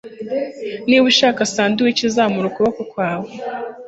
Niba ushaka sandwich, zamura ukuboko kwawe.